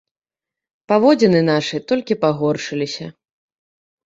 Паводзіны нашы толькі пагоршыліся.